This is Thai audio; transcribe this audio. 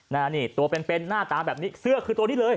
นี่ตัวเป็นเป็นหน้าตาแบบนี้เสื้อคือตัวนี้เลย